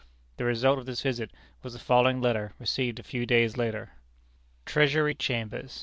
The result of this visit was the following letter, received a few days later: "Treasury Chambers.